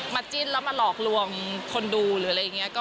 จิ้นแล้วมาหลอกลวงคนดูหรืออะไรอย่างนี้